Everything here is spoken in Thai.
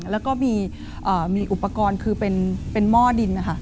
แล้วก็มีอุปกรณ์คือเป็นหม้อดินนะคะ